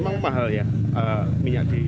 memang mahal ya minyak di